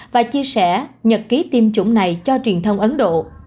và chia sẻ nhật ký tiêm chủng này cho truyền thông ấn độ